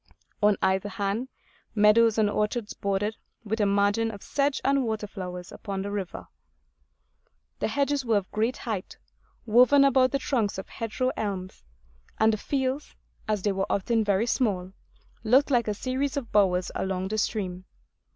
On either hand, meadows and orchards bordered, with a margin of sedge and water flowers, upon the river. The hedges were of great height, woven about the trunks of hedgerow elms; and the fields, as they were often very small, looked like a series of bowers along the stream.